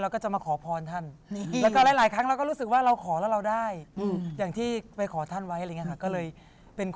ก็จะพามาว่ายตลอด